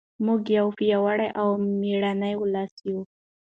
موږ یو پیاوړی او مېړنی ولس یو.